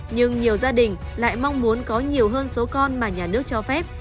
nhưng nhiều gia đình lại mong muốn có nhiều hơn số con mà nhà nước cho phép